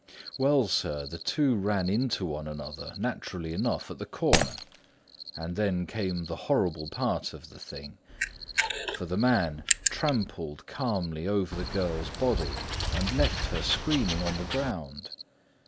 Well, sir, the two ran into one another naturally enough at the corner; and then came the horrible part of the thing; for the man trampled calmly over the child's body and left her screaming on the ground.